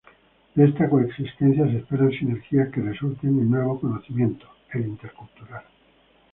De esta coexistencia se esperan sinergias que resulten en nuevo conocimiento, el intercultural.